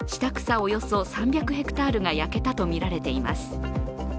およそ３００ｈａが焼けたとみられています。